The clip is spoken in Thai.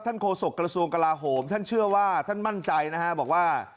โฆษกระทรวงกลาโหมท่านเชื่อว่าท่านมั่นใจนะฮะบอกว่า